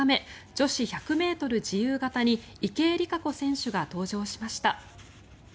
女子１００ｍ自由形に池江璃花子選手が登場しました。